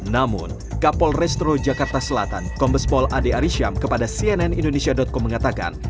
namun kapol restro jakarta selatan kombespol ade arisham kepada cnn indonesia com mengatakan